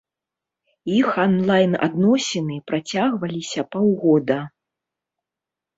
Іх анлайн-адносіны працягваліся паўгода.